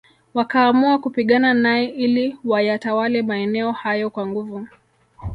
Wakaamua kupigana nae ili wayatawale maeneo hayo kwa nguvu